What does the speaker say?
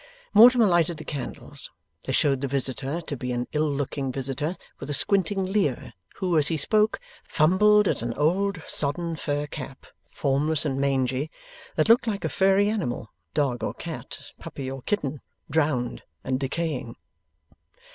Mortimer lighted the candles. They showed the visitor to be an ill looking visitor with a squinting leer, who, as he spoke, fumbled at an old sodden fur cap, formless and mangey, that looked like a furry animal, dog or cat, puppy or kitten, drowned and decaying.